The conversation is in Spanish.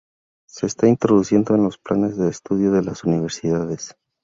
Se está introduciendo en los planes de estudio de las universidades.